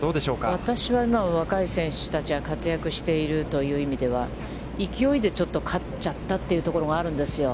私は、今の若い選手が活躍しているという意味では勢いで、ちょっと勝っちゃったというところがあるんですよ。